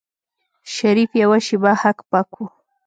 شريف يوه شېبه هک پک و.